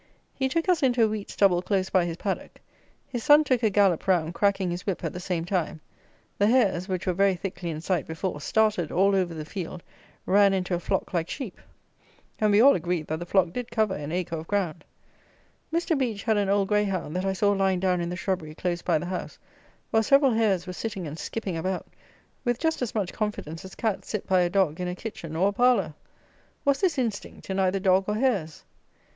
He took us into a wheat stubble close by his paddock; his son took a gallop round, cracking his whip at the same time; the hares (which were very thickly in sight before) started all over the field, ran into a flock like sheep; and we all agreed, that the flock did cover an acre of ground. Mr. Beech had an old greyhound, that I saw lying down in the shrubbery close by the house, while several hares were sitting and skipping about, with just as much confidence as cats sit by a dog in a kitchen or a parlour. Was this instinct in either dog or hares?